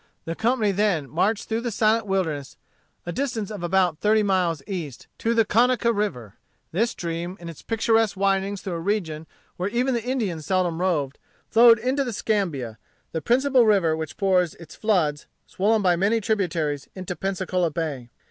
The company then marched through the silent wilderness, a distance of about thirty miles east, to the Conecuh River. This stream, in its picturesque windings through a region where even the Indian seldom roved, flowed into the Scambia, the principal river which pours its floods, swollen by many tributaries, into Pensacola Bay.